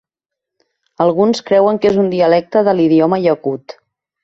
Alguns creuen que és un dialecte de l'idioma iacut.